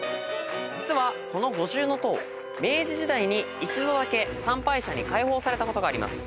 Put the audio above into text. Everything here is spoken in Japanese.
実はこの五重塔明治時代に一度だけ参拝者に開放されたことがあります。